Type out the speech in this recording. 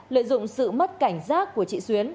lợi dụng sự mất cảnh giác của chị xuyến